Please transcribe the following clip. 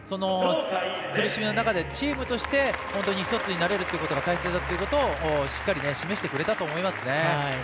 ただ、チームとして１つになれるということが大切だということをしっかり示してくれたと思いますね。